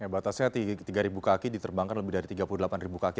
batasnya tiga kaki diterbangkan lebih dari tiga puluh delapan kaki